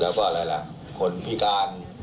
แล้วก็อะไรล่ะคนพิการ